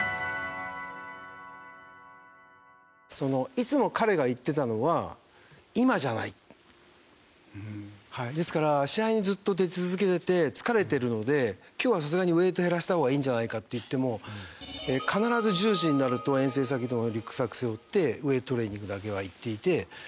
いつも彼が言ってたのはですから試合にずっと出続けてて疲れてるので「今日はさすがにウエイト減らした方がいいんじゃないか？」って言っても必ず１０時になると遠征先でもリュックサック背負ってウエイトトレーニングだけは行っていて。